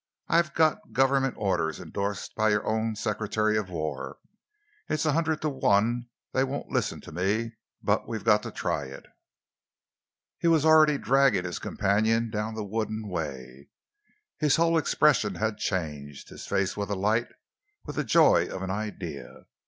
I've got Government orders, endorsed by your own Secretary of War. It's a hundred to one they won't listen to me, but we've got to try it." He was already dragging his companion down the wooden way. His whole expression had changed. His face was alight with the joy of an idea.